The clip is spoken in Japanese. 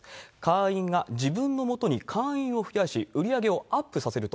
会員が自分のもとに会員を増やし、売り上げをアップさせると。